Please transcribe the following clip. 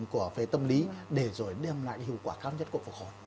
của về tâm lý để rồi đem lại hiệu quả cao nhất của phục hồi